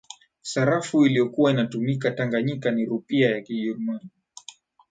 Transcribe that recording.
sarafu iliyokuwa inatumika tanganyika ni rupia ya kijerumani